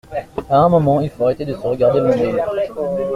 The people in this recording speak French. À un moment, il faut arrêter de se regarder le nombril.